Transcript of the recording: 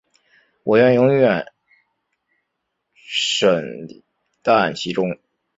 我愿永远沈溺其中